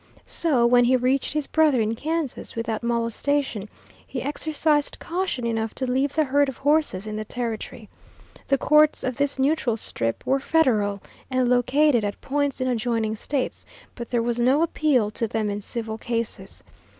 So when he reached his brother in Kansas without molestation, he exercised caution enough to leave the herd of horses in the territory. The courts of this neutral strip were Federal, and located at points in adjoining States, but there was no appeal to them in civil cases.